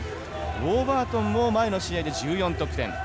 ウォーバートンも前の試合で１４得点。